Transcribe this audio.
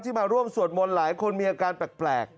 มาร่วมสวดมนต์หลายคนมีอาการแปลก